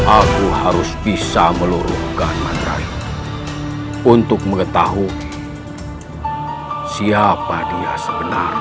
aku harus bisa meluruhkan matrai untuk mengetahui siapa dia sebenarnya